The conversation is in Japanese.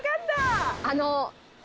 あの。